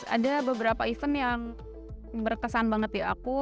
ada beberapa event yang berkesan banget di aku